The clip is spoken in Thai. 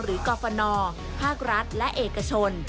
กรฟนภาครัฐและเอกชน